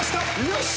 よし！